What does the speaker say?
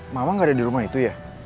mama nggak ada di rumah itu ya